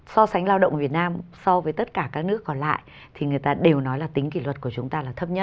so sánh lao động việt nam so với tất cả các nước còn lại thì người ta đều nói là tính kỷ luật của chúng ta là thấp nhất